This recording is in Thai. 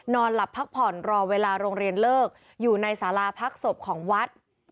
นอนหลับพักผ่อนรอเวลาโรงเรียนเลิกอยู่ในสาราพักศพของวัด